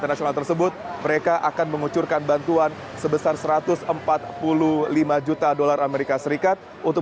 nasional tersebut mereka akan mengucurkan bantuan sebesar satu ratus empat puluh lima juta dolar amerika serikat untuk